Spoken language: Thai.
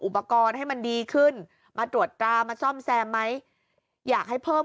อุปกรณ์ให้มันดีขึ้นมาตรวจตรามาซ่อมแซมไหมอยากให้เพิ่ม